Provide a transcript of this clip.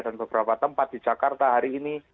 dan beberapa tempat di jakarta hari ini